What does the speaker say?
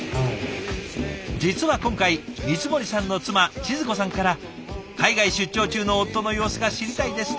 実は今回光森さんの妻智津子さんから「海外出張中の夫の様子が知りたいです」と投稿を頂いたんです。